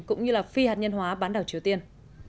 cũng như là phi hạt nhân hóa bán đảo triều tiên